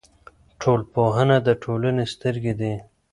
ټولنپوهنه د ټولنې سترګې دي.